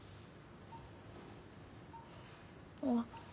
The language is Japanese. あっ。